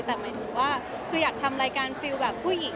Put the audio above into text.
แต่อยากทำรายการสว่างผู้หญิง